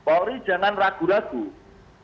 masyarakat itu tidak akan percaya dengan kita